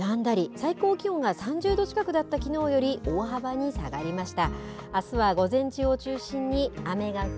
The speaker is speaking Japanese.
日中、雨が降ったりやんだり最高気温が３０度近くだったきのうより大幅に下がりました。